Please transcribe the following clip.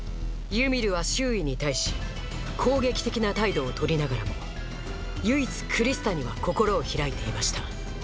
ユミルは周囲に対し攻撃的な態度を取りながらも唯一クリスタには心を開いていました